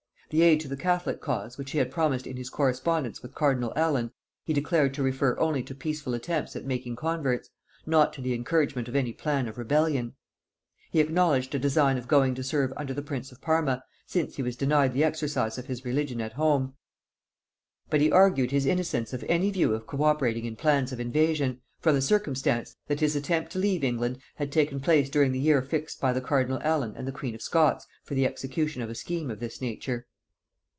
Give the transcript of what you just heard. The aid to the catholic cause, which he had promised in his correspondence with cardinal Allen, he declared to refer only to peaceful attempts at making converts, not to the encouragement of any plan of rebellion. He acknowledged a design of going to serve under the prince of Parma, since he was denied the exercise of his religion at home; but he argued his innocence of any view of cooperating in plans of invasion, from the circumstance, that his attempt to leave England had taken place during the year fixed by cardinal Allen and the queen of Scots for the execution of a scheme of this nature.